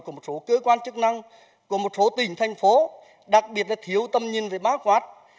của một số cơ quan chức năng của một số tỉnh thành phố đặc biệt là thiếu tâm nhìn về bá khoát